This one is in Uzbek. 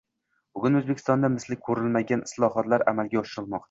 Bugun Oʻzbekistonda misli koʻrilmagan islohotlar amalga oshirilmoqda.